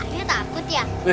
ayah takut ya